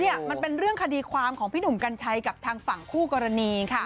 นี่มันเป็นเรื่องคดีความของพี่หนุ่มกัญชัยกับทางฝั่งคู่กรณีค่ะ